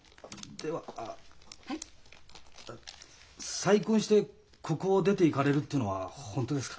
再婚してここを出ていかれるっていうのは本当ですか？